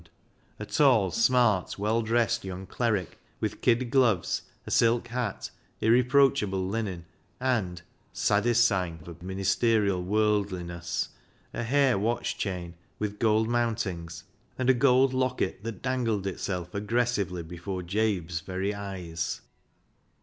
THE STUDENT 23 A tall, smart, well dressed young cleric, with kid gloves, a silk hat, irreproachable linen, and — saddest sign of ministerial worldliness — a hair watch chain with gold mountings, and a gold locket that dangled itself aggressively before Jabe's very eyes.